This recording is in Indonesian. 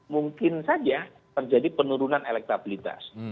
mungkin saja terjadi penurunan elektabilitas